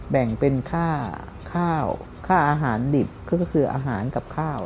แบ่งเป็นค่าข้าวค่าอาหารดิบก็คืออาหารกับข้าว